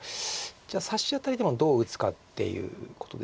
じゃあさしあたりでもどう打つかっていうことです。